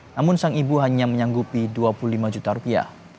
namun sang ibu hanya menyanggupi dua puluh lima juta rupiah